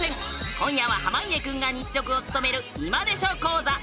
今夜は濱家くんが日直を務める『今でしょ！講座』